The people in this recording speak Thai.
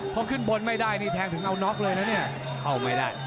เพราะขึ้นบนไม่ได้แทงถึงเอาน็อกเลยนะเนี่ย